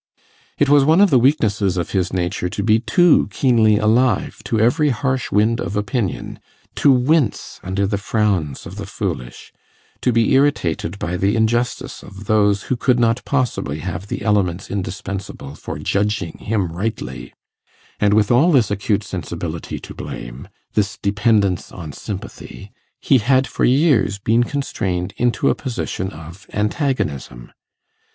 It was one of the weaknesses of his nature to be too keenly alive to every harsh wind of opinion; to wince under the frowns of the foolish; to be irritated by the injustice of those who could not possibly have the elements indispensable for judging him rightly; and with all this acute sensibility to blame, this dependence on sympathy, he had for years been constrained into a position of antagonism.